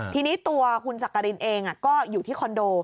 ทีนี้ตัวคุณจักรินเองก็อยู่ที่คอนโด